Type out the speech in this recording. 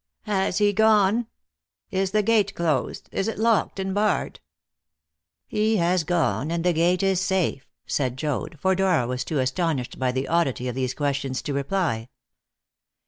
"Has he gone? Is the gate closed is it locked and barred?" "He has gone, and the gate is safe," said Joad, for Dora was too astonished by the oddity of these questions to reply.